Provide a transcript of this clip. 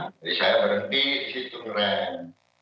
jadi saya berhenti di situ ngerang